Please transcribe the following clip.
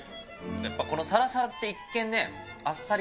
やっぱこのさらさらって一見ね、あっさり。